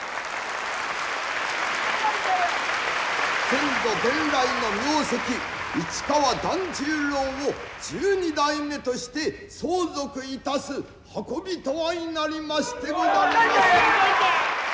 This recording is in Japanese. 先祖伝来の名跡市川團十郎を十二代目として相続いたす運びと相なりましてござりまする。